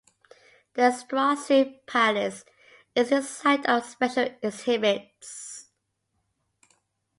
The Strozzi Palace is the site of special exhibits.